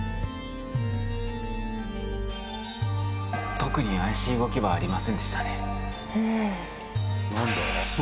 特に怪しい動きはありませんでしたね。